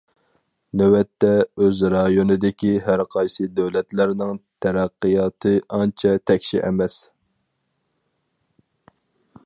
نۆۋەتتە، ئۆز رايونىدىكى ھەر قايسى دۆلەتلەرنىڭ تەرەققىياتى ئانچە تەكشى ئەمەس.